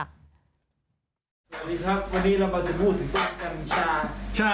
สวัสดีครับวันนี้เราก็จะพูดถึงป้ากัญชา